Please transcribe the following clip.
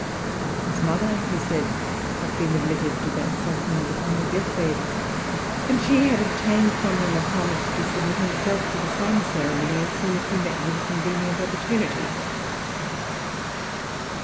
His mother, he said, had been admitted to that sacrament upon her deathbed, and she had obtained from him a promise to submit himself to the same ceremony as soon as he met with a convenient opportunity.